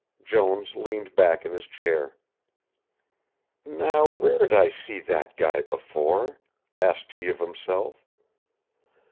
Jones leaned back in his chair. "Now, where did I see that guy before?" asked he of himself.